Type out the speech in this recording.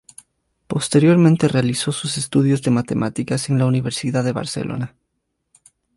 Posteriormente realizó sus estudios de matemáticas en la Universidad de Barcelona.